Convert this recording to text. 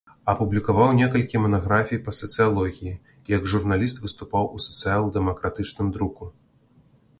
Апублікаваў некалькі манаграфій па сацыялогіі, як журналіст выступаў у сацыял-дэмакратычным друку.